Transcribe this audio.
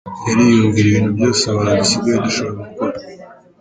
Yariyumvira ibintu vyose abantu dusigaye dushobora gukora.